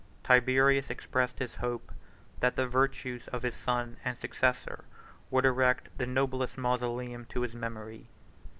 Tiberius expressed his hope that the virtues of his son and successor would erect the noblest mausoleum to his memory.